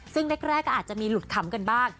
ซึ่งแรกก็อาจจะมีหลุดขำกันบ้าง